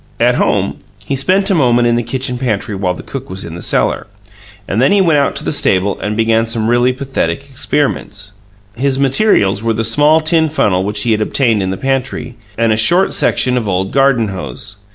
At home he spent a moment in the kitchen pantry while the cook was in the cellar; then he went out to the stable and began some really pathetic experiments. His materials were the small tin funnel which he had obtained in the pantry, and a short section of old garden hose.